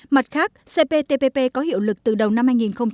mặt khác cptpp có hiệu lực từ đầu năm hai nghìn một mươi chín